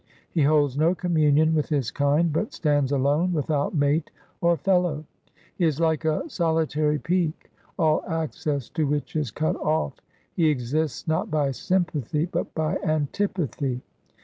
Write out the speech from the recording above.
He holds no communion with his kind, but stands alone, without mate or fellow. He is like a sol itary peak, all access to which is cut off. He exists, not by sympathy, but by antipathy.